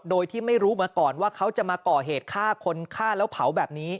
โดยที่ไม่รู้มาก่อนว่าเขาจะมาก่อเหตุฆ่าคนฆ่าแล้วเผาแบบนี้